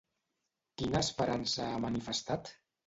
Quina esperança ha manifestat?